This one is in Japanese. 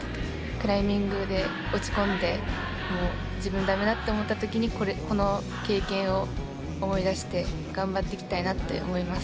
クライミングで落ち込んでもう自分駄目だって思った時にこの経験を思い出して頑張っていきたいなって思います。